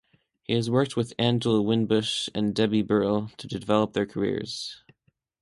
He has worked with Angela Winbush and Debye Burrell to develop their careers.